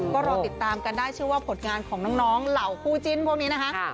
ก็รอติดตามกันได้ชื่อว่าผลงานของน้องเหล่าคู่จิ้นพวกนี้นะคะ